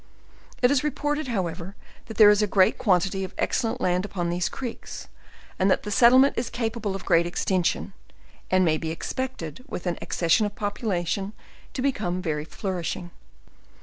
It is reported, however, that there is a great quantity of excellent land upon these creeks, and that the settlement is capable of great extension, and may be expected, with an accession of population, to become very flourishing.